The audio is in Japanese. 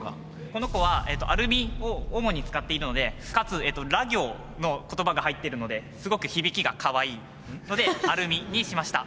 この子はアルミを主に使っているのでかつら行の言葉が入っているのですごく響きがかわいいので「あるみ」にしました。